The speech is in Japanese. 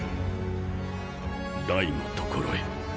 ダイのところへ。